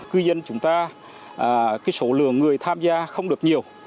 cư dân chúng ta số lượng người tham gia không được nhiều